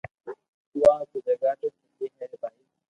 تو آپ ري جگھ تي سڄي ھي بائي